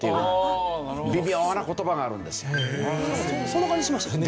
そんな感じしましたね